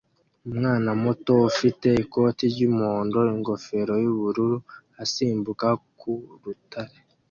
umwana muto ufite ikoti ry'umuhondo n'ingofero y'ubururu asimbuka ku rutare